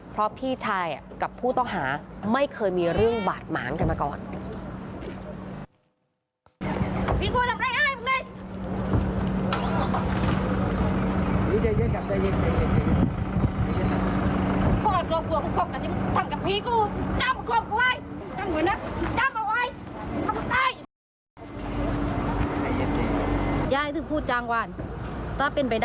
เพราะพี่ชายกับผู้ต้องหาไม่เคยมีเรื่องบาดหมางกันมาก่อน